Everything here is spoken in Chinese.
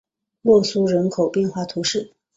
洛苏人口变化图示